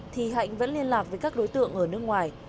thì hạnh vẫn liên lạc với các đối tượng ở nước ngoài